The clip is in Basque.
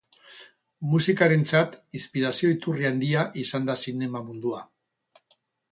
Musikarentzat inspirazio iturri handia izan da zinema mundua.